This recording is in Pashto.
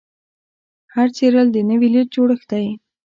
هر څیرل د نوې لید جوړښت دی.